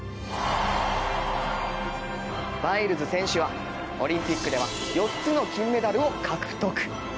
バイルズ選手はオリンピックでは４つの金メダルを獲得。